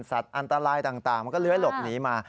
อันตรายต่างมันก็เลื้อยหลบหนีมา